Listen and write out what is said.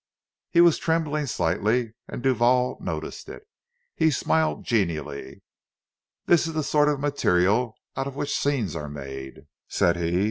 He was trembling slightly, and Duval noticed it; he smiled genially. "This is the sort of material out of which scenes are made," said he.